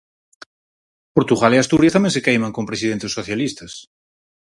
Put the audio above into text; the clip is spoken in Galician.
Portugal e Asturias tamén se queiman con presidentes socialistas.